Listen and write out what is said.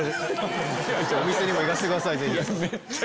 お店にも行かせてくださいぜひ。